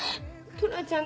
トラちゃん。